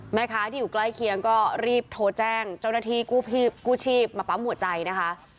แม่ค้าที่อยู่ใกล้เคียงก็รีบโทรแจ้งเจ้าหน้าที่กู้ชีพมาปั๊มหัวใจนะคะ